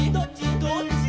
「どっち」